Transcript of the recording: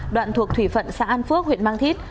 đoạn thuộc thủy phận xã an phước huyện mang thít